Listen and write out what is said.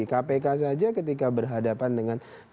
kpk saja ketika berhadapan dengan kasus kasus ini